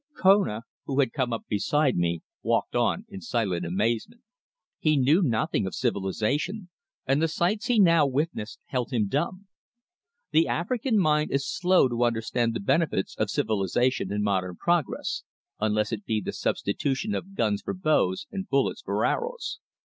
Kona, who had come up beside me, walked on in silent amazement. He knew nothing of civilization, and the sights he now witnessed held him dumb. The African mind is slow to understand the benefits of civilization and modern progress, unless it be the substitution of guns for bows and bullets for arrows.